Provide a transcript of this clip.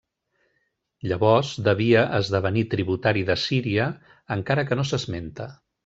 Llavors devia esdevenir tributari d'Assíria encara que no s'esmenta.